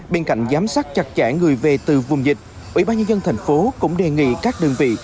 bên cạnh giám sát chặt chẽ người về từ vùng dịch ủy ban nhân dân thành phố cũng đề nghị các đơn vị